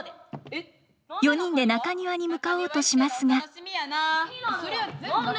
４人で中庭に向かおうとしますが。